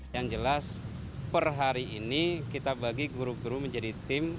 yang jelas per hari ini kita bagi guru guru menjadi tim